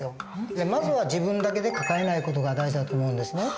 まずは自分だけで抱えない事が大事だと思うんですね。